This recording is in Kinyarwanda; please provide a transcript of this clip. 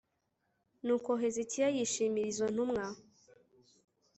nuko hezekiya yishimira izo ntumwa